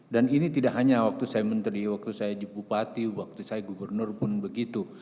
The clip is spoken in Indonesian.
dan ini tidak hanya waktu saya menteri waktu saya jepupati waktu saya gubernur pun begitu